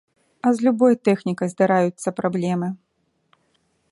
А з любой тэхнікай здараюцца праблемы.